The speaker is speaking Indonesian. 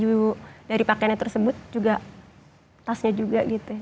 jadi pakaiannya tersebut juga tasnya juga gitu